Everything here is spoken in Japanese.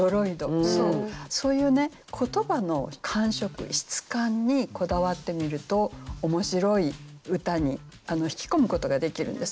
そういうね言葉の感触質感にこだわってみると面白い歌に引き込むことができるんです